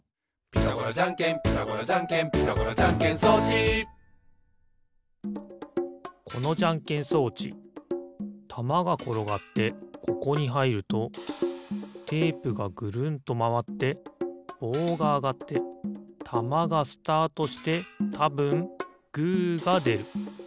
「ピタゴラじゃんけんピタゴラじゃんけん」「ピタゴラじゃんけん装置」このじゃんけん装置たまがころがってここにはいるとテープがぐるんとまわってぼうがあがってたまがスタートしてたぶんグーがでる。